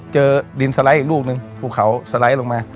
เจอดินสไลด์อีกลูกหนึ่งภูเขาสไลด์ลงมา